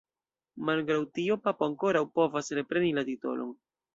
Malgraŭ tio, Papo ankoraŭ povas repreni la titolon.